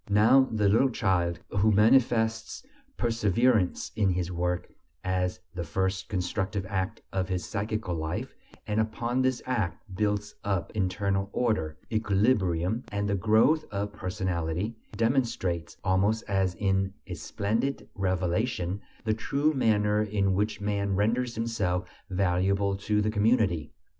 Now the little child who manifests perseverance in his work as the first constructive act of his psychical life, and upon this act builds up internal order, equilibrium, and the growth of personality, demonstrates, almost as in a splendid revelation, the true manner in which man renders himself valuable to the community.